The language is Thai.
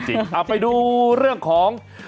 เอาไปดูเรื่องของ